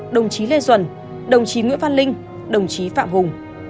đồng chí lê duẩn đồng chí nguyễn văn linh đồng chí phạm hùng